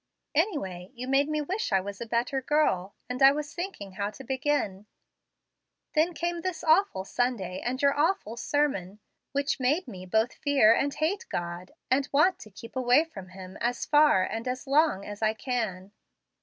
Anyway, you made me wish I was a better girl, and I was thinking how to begin; then came this awful Sunday, and your awful sermon, which made me both fear and hate God, and want to keep away from Him as far and as long as I can."